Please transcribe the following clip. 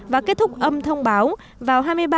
và kết thúc âm thông báo vào hai mươi ba h năm mươi chín